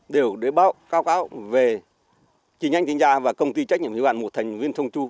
đều để báo cáo về chính anh chính gia và công ty trách nhiệm hiệu bản một thành viên thông tru